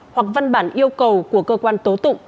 hoặc văn bản yêu cầu của cơ quan tố tụng